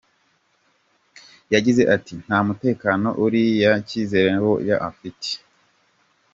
Yagize ati "Nta mutekano uriyo nta cyizere cyawo mfite.